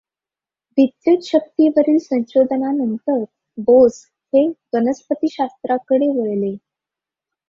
विद्युतशक्तीवरील संशोधनानंतर बोस हे वनस्पतिशास्त्राकडे वळले.